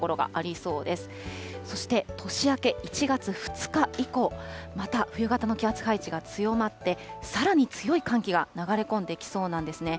そして年明け、１月２日以降、また冬型の気圧配置が強まって、さらに強い寒気が流れ込んできそうなんですね。